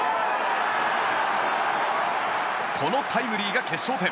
このタイムリーが決勝点。